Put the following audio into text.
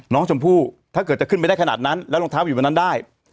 น้องชมพู่ถ้าเกิดจะขึ้นไปได้ขนาดนั้นแล้วรองเท้าอยู่บนนั้นได้